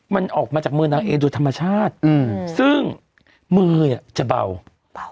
มันออกมาจากมือนางเอโดยธรรมชาติอืมซึ่งมืออ่ะจะเบา